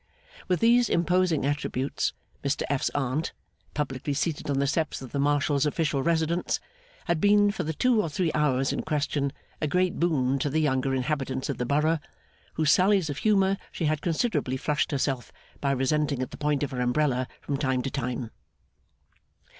With these imposing attributes, Mr F.'s Aunt, publicly seated on the steps of the Marshal's official residence, had been for the two or three hours in question a great boon to the younger inhabitants of the Borough, whose sallies of humour she had considerably flushed herself by resenting at the point of her umbrella, from time to time.